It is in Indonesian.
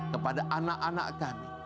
kepada anak anak kami